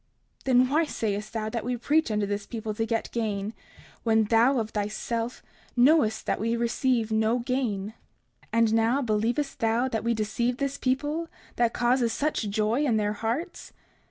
30:35 Then why sayest thou that we preach unto this people to get gain, when thou, of thyself, knowest that we receive no gain? And now, believest thou that we deceive this people, that causes such joy in their hearts?